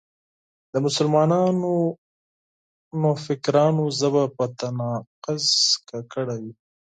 د مسلمانو نوفکرانو ژبه په تناقض ککړه وي.